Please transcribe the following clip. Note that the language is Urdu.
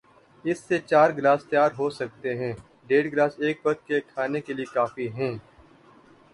اس سے چار گلاس تیار ہوسکتے ہیں، ڈیڑھ گلاس ایک وقت کے کھانے کے لئے کافی ہیں۔